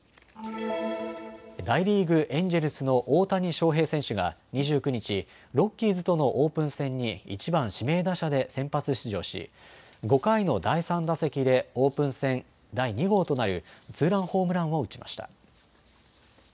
大リーグ、エンジェルスの大谷翔平選手が２９日、ロッキーズとのオープン戦に１番・指名打者で先発出場し、５回の第３打席でオープン戦第２号となるツーランホームランを打ちました。